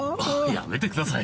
やめてください。